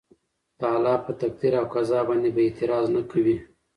د الله په تقدير او قضاء باندي به اعتراض نه کوي